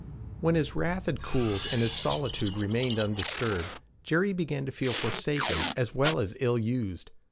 When his wrath had cooled and his solitude remained undisturbed, Jerry began to feel forsaken as well as ill used.